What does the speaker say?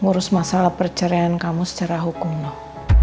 mengurus masalah perceraian kamu secara hukum noh